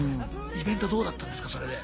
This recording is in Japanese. イベントどうだったんですかそれで。